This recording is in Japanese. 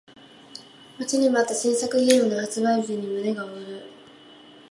待ちに待った新作ゲームの発売日に胸が躍る